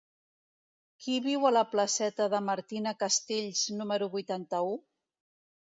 Qui viu a la placeta de Martina Castells número vuitanta-u?